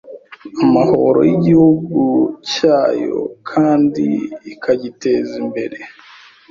amahoro y’Igihugu cyayo kandi ikagiteza imbere;